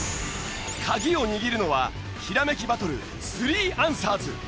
鍵を握るのはひらめきバトル３アンサーズ。